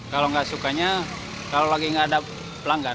kalau nggak sukanya kalau lagi nggak ada pelanggan